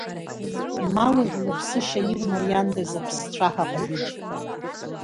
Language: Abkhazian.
Ма уажә лыԥсышьа ирмариандаз аԥсцәаҳа ҟадыџь…